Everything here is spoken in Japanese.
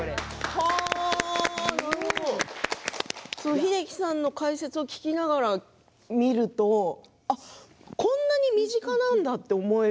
英樹さんの解説を聞きながら見るとこんなに身近なんだと思える。